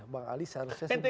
bang ali seharusnya sendiri